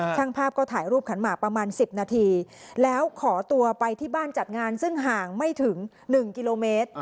ช่างภาพก็ถ่ายรูปขันหมากประมาณ๑๐นาทีแล้วขอตัวไปที่บ้านจัดงานซึ่งห่างไม่ถึง๑กิโลเมตร